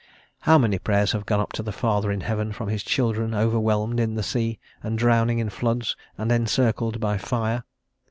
How many Prayers have gone up to the Father in heaven from his children overwhelmed in the sea, and drowning in floods, and encircled by fire?